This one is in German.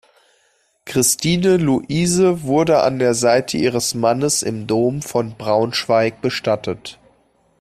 Christine Luise wurde an der Seite ihres Mannes im Dom von Braunschweig bestattet.